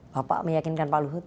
bapak meyakinkan pak luhut